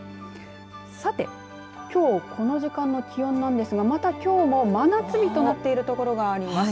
さて、きょうこの時期の気温なんですが、きょうも真夏日となってる所があります。